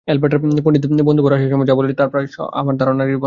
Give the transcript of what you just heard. এলবার্টার পণ্ডিত বন্ধুবর রাশিয়া সম্বন্ধে যা বলেছেন, তা প্রায় আমার ধারণারই মত।